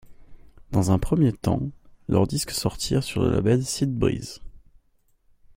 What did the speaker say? Dans un premier temps, leurs disques sortirent sur le label Siltbreeze.